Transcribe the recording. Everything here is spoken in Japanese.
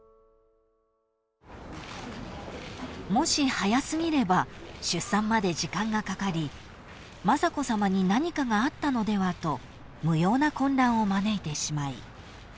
［もし早過ぎれば出産まで時間がかかり雅子さまに何かがあったのではと無用な混乱を招いてしまい］